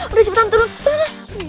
udah cepetan turun turun